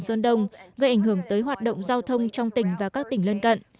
tỉnh xuân đông gây ảnh hưởng tới hoạt động giao thông trong tỉnh và các tỉnh lân cận